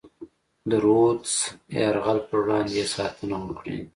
د رودز د یرغل پر وړاندې یې ساتنه وکړي.